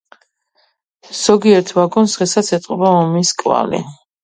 ზოგიერთ ვაგონს დღესაც ეტყობა ომის კვალი.